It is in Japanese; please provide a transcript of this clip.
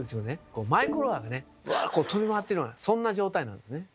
こうマイクロ波がね飛び回ってるようなそんな状態なんですね。